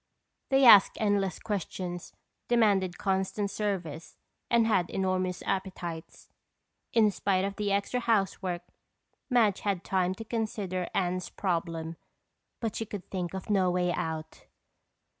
They asked endless questions, demanded constant service and had enormous appetites. In spite of the extra housework, Madge had time to consider Anne's problem but she could think of no way out.